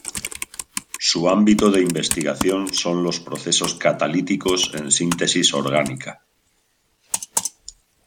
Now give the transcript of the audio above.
Su ámbito de investigación son los procesos catalíticos en síntesis orgánica.